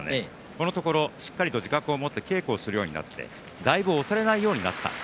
このところしっかりと自覚を持って稽古をするようになってだいぶ押されないようになった。